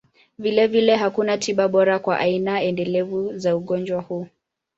Vilevile, hakuna tiba bora kwa aina endelevu za ugonjwa huu.